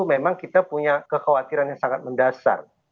memang kita punya kekhawatiran yang sangat mendasar